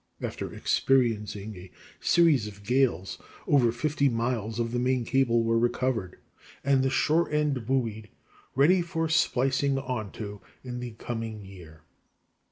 After experiencing a series of gales, over fifty miles of the main cable were recovered, and the shore end buoyed ready for splicing on to in the coming year.